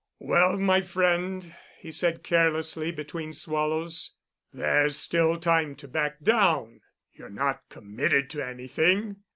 "Well, my friend," he said carelessly between swallows, "there's still time to back down. You're not committed to anything.